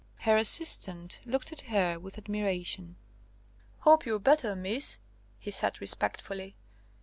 Her assistant looked at her with admiration. "Hope you're better, miss," he said respectfully.